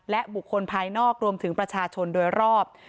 และบุคคลภายนอกรวมถึงประชาชนโดยรอบ